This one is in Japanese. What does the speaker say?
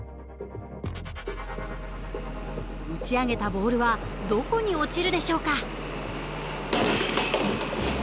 打ち上げたボールはどこに落ちるでしょうか？